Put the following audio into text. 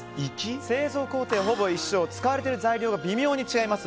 製造工程はほぼ一緒使われている材料が微妙に違います。